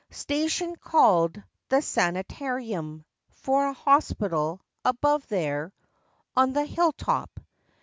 Station called "The Sanitarium," For a hospital, above there, On the hill top.